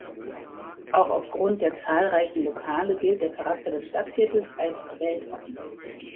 Auch auf Grund der zahlreichen Lokale gilt der Charakter des Stadtviertels als „weltoffen“.